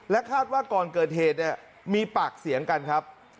และคาดว่าก่อนเกิดเหตุมีปากเสียงกันครับ